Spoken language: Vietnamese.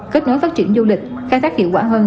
kết nối phát triển du lịch khai thác hiệu quả hơn